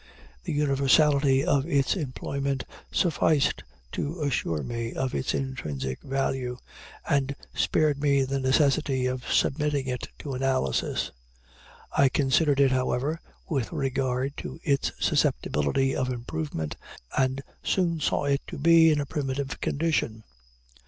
The universality of its employment sufficed to assure me of its intrinsic value, and spared me the necessity of submitting it to analysis. I considered it, however, with regard to its susceptibility of improvement, and soon saw it to be in a primitive condition.